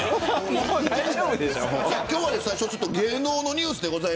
今日は最初芸能のニュースです。